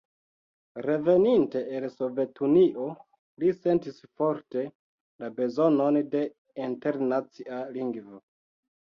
Reveninte el Sovetunio, li sentis forte la bezonon de internacia lingvo.